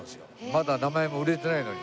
まだ名前も売れてないのに。